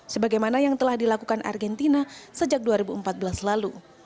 sebagaimana yang telah dilakukan argentina sejak dua ribu empat belas lalu